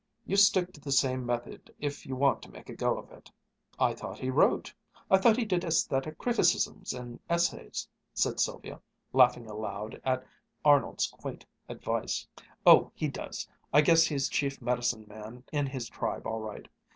You stick to the same method if you want to make a go of it." "I thought he wrote. I thought he did aesthetic criticisms and essays," said Sylvia, laughing aloud at Arnold's quaint advice. "Oh, he does. I guess he's chief medicine man in his tribe all right.